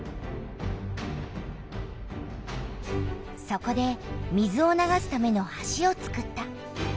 そこで水を流すための橋をつくった。